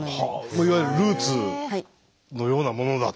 いわゆるルーツのようなものだと。